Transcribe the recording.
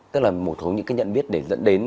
tức là một số những cái nhận biết để dẫn đến